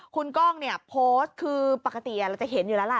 คุณกล้องเนี่ยโพสต์คือปกติเราจะเห็นอยู่แล้วล่ะ